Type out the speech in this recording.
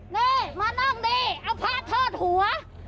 นี่มานั่งนี่เอาผ้าเทิดหัว